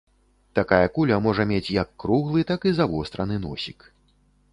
Такая куля можа мець як круглы, так і завостраны носік.